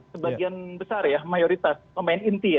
sebagian besar ya mayoritas pemain inti ya